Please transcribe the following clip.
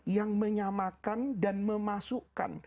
yang menyamakan dan memasukkan